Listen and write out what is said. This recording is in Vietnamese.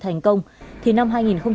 thành công thì năm hai nghìn một mươi chín